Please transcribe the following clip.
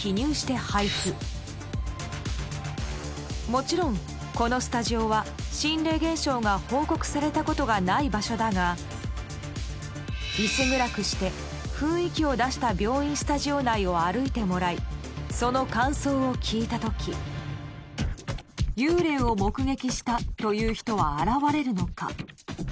もちろんこのスタジオは心霊現象が報告されたことがない場所だが薄暗くして雰囲気を出した病院スタジオ内を歩いてもらい幽霊を目撃したという人は現れるのか？